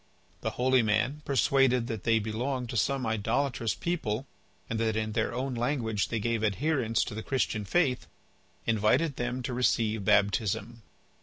The holy man, persuaded that they belonged to some idolatrous people and that in their own language they gave adherence to the Christian faith, invited them to receive baptism.